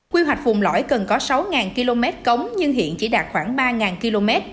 quy hoạch vùng lõi cần có sáu km cống nhưng hiện chỉ đạt khoảng ba km